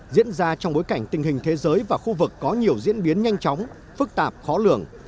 diễn ra trong bối cảnh tình hình thế giới và khu vực có nhiều diễn biến nhanh chóng phức tạp khó lường